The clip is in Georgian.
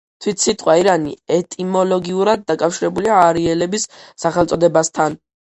თვით სიტყვა ირანი ეტიმოლოგიურად დაკავშირებულია არიელების სახელწოდებასთან.